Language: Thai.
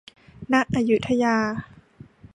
ณ อยุธยา